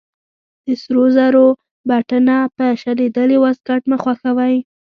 د سرو زرو بټنه په شلېدلې واسکټ مه خښوئ.